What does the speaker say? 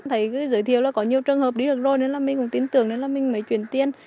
thấy giới thiệu là có nhiều trường hợp đi được rồi nên là mình cũng tin tưởng nên là mình mới chuyển tiền